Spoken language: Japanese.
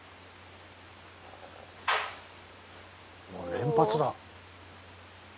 連発だ。